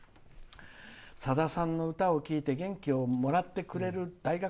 さださんの歌を聴いて元気をもらってくれる大学